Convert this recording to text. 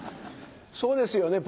そうですよね？